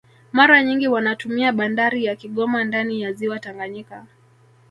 Mara nyingi wanatumia bandari ya Kigoma ndani ya ziwa Tanganyika